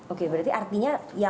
oke berarti artinya yang